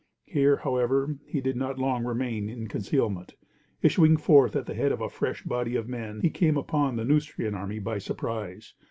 Here, however, he did not long remain in concealment. Issuing forth at the head of a fresh body of men, he came upon the Neustrian army by surprise.